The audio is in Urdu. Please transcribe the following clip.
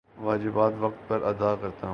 واجبات وقت پر ادا کرتا ہوں